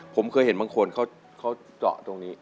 ผมเคยเห็นบางคนเขาเจาะตรงนี้